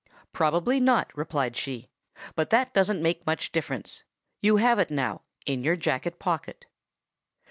"'Probably not,' replied she, 'but that doesn't make much difference. You have it now, in your jacket pocket.